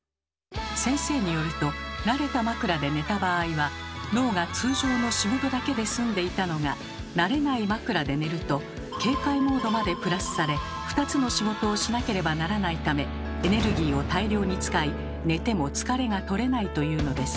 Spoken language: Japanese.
先生によると慣れた枕で寝た場合は脳が通常の仕事だけで済んでいたのが慣れない枕で寝ると警戒モードまでプラスされ２つの仕事をしなければならないためエネルギーを大量に使い寝ても疲れが取れないというのです。